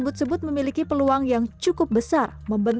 jika tidak jock prithat akan mengundang anggota pe jer tastes